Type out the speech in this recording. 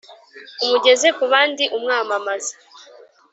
umugeze kubandi umwamamaza